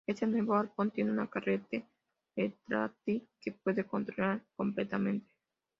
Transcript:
Este nuevo arpón tiene un carrete retráctil que puede controlar completamente.